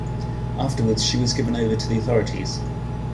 Afterwards she was given over to the authorities.